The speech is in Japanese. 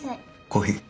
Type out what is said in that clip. コーヒー。